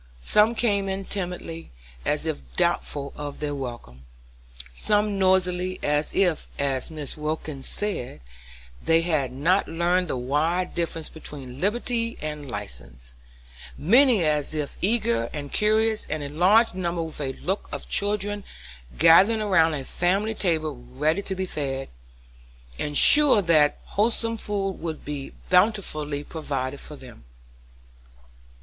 Some came in timidly, as if doubtful of their welcome; some noisily, as if, as Mrs. Wilkins said, they had not learned the wide difference between liberty and license; many as if eager and curious; and a large number with the look of children gathering round a family table ready to be fed, and sure that wholesome food would be bountifully provided for them.